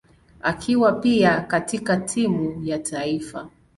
akiwa pia katika timu ya taifa.